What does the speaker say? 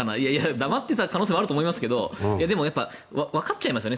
黙っていた可能性もあると思いますけどでも、わかっちゃいますよね。